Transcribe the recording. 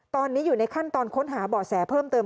ตอนนี้อยู่ในขั้นตอนค้นหาเบาะแสเพิ่มเติม